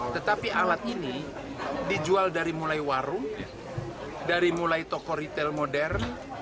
tetapi alat ini dijual dari mulai warung dari mulai toko retail modern